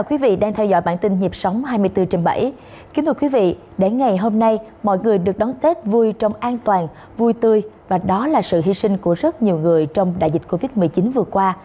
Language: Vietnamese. kính thưa quý vị đến ngày hôm nay mọi người được đón tết vui trong an toàn vui tươi và đó là sự hy sinh của rất nhiều người trong đại dịch covid một mươi chín vừa qua